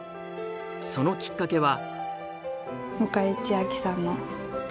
そのきっかけは。